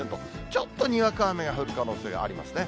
ちょっとにわか雨が降る可能性がありますね。